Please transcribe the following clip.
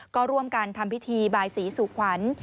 ก็ร่วมกันทำพิธีบายศรีสุขวัญ